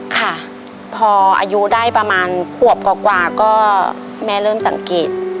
ค่ะพออายุได้ประมาณขวบกว่าก็แม่เริ่มสังเกต